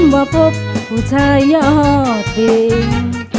ว่าพบผู้ชายยอดจริง